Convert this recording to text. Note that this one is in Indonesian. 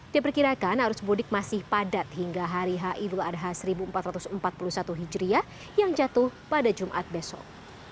diperkirakan arus mudik masih padat hingga hari h idul adha seribu empat ratus empat puluh satu hijriah yang jatuh pada jumat besok